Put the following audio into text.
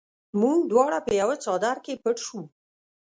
موږ دواړه په یوه څادر کې پټ شوو